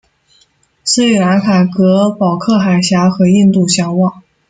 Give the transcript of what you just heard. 斯里兰卡隔保克海峡和印度相望。